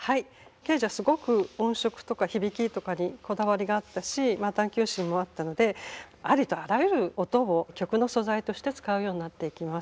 ケージはすごく音色とか響きとかにこだわりがあったし探求心もあったのでありとあらゆる音を曲の素材として使うようになっていきます。